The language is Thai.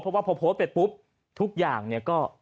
เพราะว่าพอโพสต์ไปปุ๊บทุกอย่างเนี่ยก็